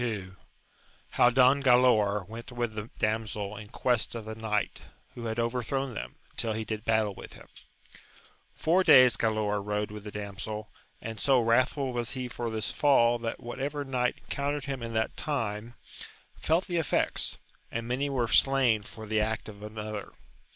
— How Don Ghilaor went with the damsel in qnest of the knight who had overthrown them, till he did battle with him OUR days Galaor rode with the damsel, and so wrathful was he for this fall that what ever knight encountered him in that time felt the effects, and many were slain for the act of another.